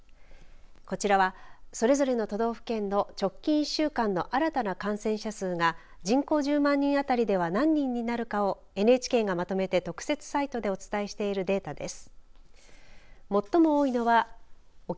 こちらは、それぞれの都道府県の直近１週間の新たな感染者数が人口１０万人あたりでは何人になるかをＮＨＫがまとめて特設サイトでお伝えしているデータです。